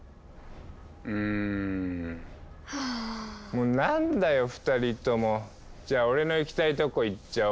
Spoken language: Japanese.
もう何だよ２人とも。じゃあ俺の行きたいとこ行っちゃおう。